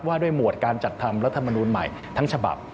ว่าด้วยหมวดการจัดทำรัฐมนูลใหม่ทั้งฉบับ